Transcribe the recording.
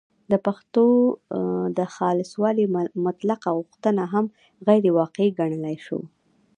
د پښتو د خالصوالي مطلقه غوښتنه هم غیرواقعي ګڼلای شو